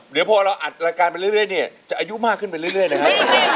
เดี๋ยวพอเราอัดรายการไปเรื่อยเนี่ยจะอายุมากขึ้นไปเรื่อยเลยครับ